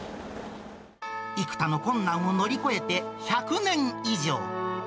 幾多の困難を乗り越えて、１００年以上。